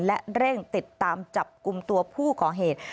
และเร่งติดตามจับกลุ่มตัวผู้ก่อเหตุ